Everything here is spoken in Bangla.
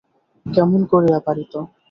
কেমন করিয়া পারিত!